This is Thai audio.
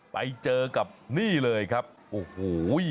ไปเจอกับนี่เลยครับโอ้โห